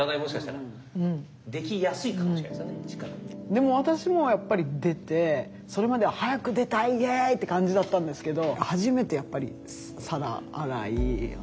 でも私もやっぱり出てそれまでは「早く出たいイエイ！」って感じだったんですけど